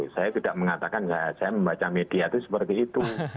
saya tidak mengatakan saya membaca media itu seperti itu